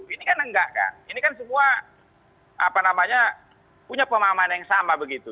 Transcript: ini kan enggak kan ini kan semua punya pemahaman yang sama begitu